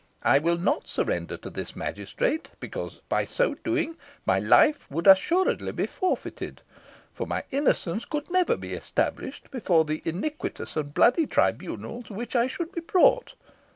I will not surrender to this magistrate, because, by so doing, my life would assuredly be forfeited, for my innocence could never be established before the iniquitous and bloody tribunal to which I should be brought.